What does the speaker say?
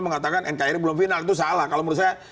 mengatakan nkri belum final itu salah kalau menurut saya